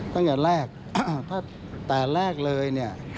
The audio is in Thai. ตั้งแต่แรกเลยเนี่ย